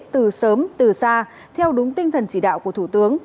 từ sớm từ xa theo đúng tinh thần chỉ đạo của thủ tướng